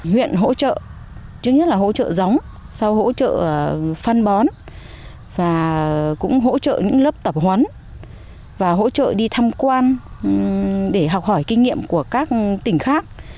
huyện hỗ trợ trước nhất là hỗ trợ giống sau hỗ trợ phân bón và cũng hỗ trợ những lớp tập huấn và hỗ trợ đi thăm quan để học hỏi kinh nghiệm của các tỉnh khác